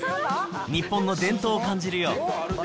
日本の伝統を感じるよ。